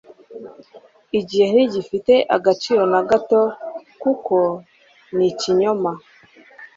igihe ntigifite agaciro na gato, kuko ni ikinyoma